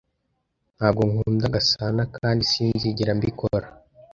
Ntabwo nkunda Gasanakandi sinzigera mbikora.